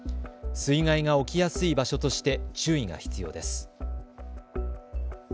水害が起きやすい場所として注意が必要です。